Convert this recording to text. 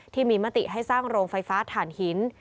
ที่มีมติให้สร้างโรงไฟฟ้าถ่านหิน